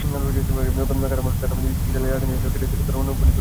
কাঠামোটি ইতালির রাজধানীর নির্মিত একটি গেটের দ্বারা অনুপ্রানিত হয়ে নির্মিত হয়েছিল।